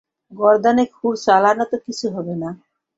গর্দানে ক্ষুর চালানোতে কিচ্ছু হবে না।